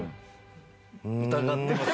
疑ってます。